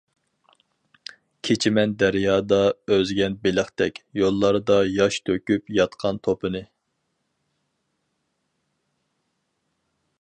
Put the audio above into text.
كېچىمەن دەريادا ئۈزگەن بېلىقتەك، يوللاردا ياش تۆكۈپ ياتقان توپىنى.